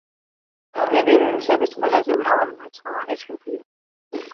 ფაგები ვირუსების ყველაზე მრავალრიცხოვანი ჯგუფია.